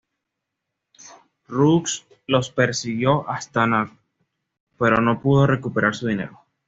Rusk los persiguió hasta Nacogdoches pero no pudo recuperar su dinero.